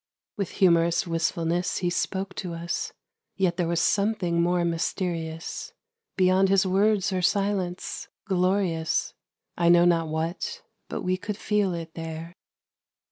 With humorous wistfulness he spoke to us, Yet there was something more mysterious, Beyond his words or silence, glorious: I know not what, but we could feel it there.